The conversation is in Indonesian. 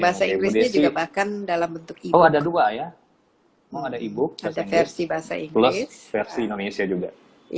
bahasa inggrisnya juga bahkan dalam bentuk ibu ada dua ya oh ada ibook ada versi bahasa inggris